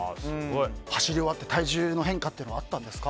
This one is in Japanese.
走り終わって体重の変化はあったんですか？